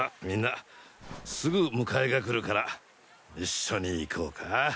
みんなすぐ迎えが来るから一緒に行こうか。